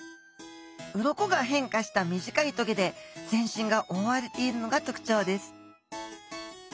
鱗が変化した短い棘で全身が覆われているのが特徴です。